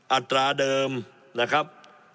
อัตราเดิมนะครับ